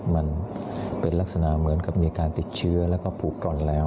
มันเป็นลักษณะเหมือนกับมีการติดเชื้อแล้วก็ผูกกร่อนแล้ว